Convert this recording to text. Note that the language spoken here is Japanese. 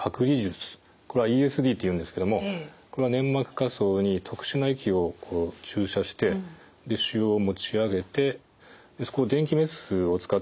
これはＥＳＤっていうんですけどもこれは粘膜下層に特殊な液を注射して腫瘍を持ち上げて電気メスを使ってですね